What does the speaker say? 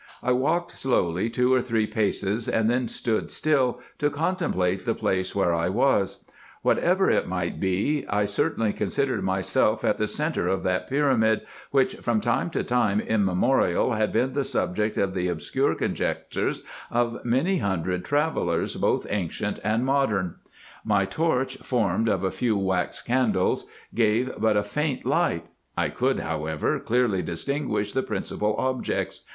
I walked slowly two or three paces, and then stood still to contemplate the place were I was. What ever it might be, I certainly considered myself in the centre of that pyramid, which from time immemorial had been the subject of the obscure conjectures of many hundred travellers, both ancient and IN EGYPT, NUBIA, &c. 271 modern. My torch, formed of a few wax candles, gave but a faint light ; I could, however, clearly distinguish the principal objects.